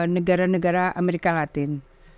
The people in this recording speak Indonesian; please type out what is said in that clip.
negara negara amerika latin